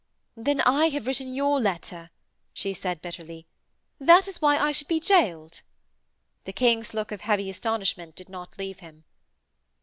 'Then I have written your letter,' she said bitterly. 'That is why I should be gaoled.' The King's look of heavy astonishment did not leave him.